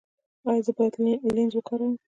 ایا زه باید لینز وکاروم؟